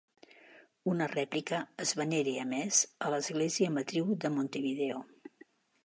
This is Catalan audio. Una rèplica es venera a més a l'Església Matriu de Montevideo.